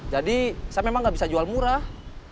jadi saya memang nggak bisa jual murah